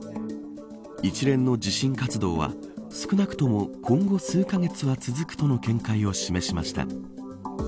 一連の地震活動は少なくとも今後数カ月は続くとの見解を示しました。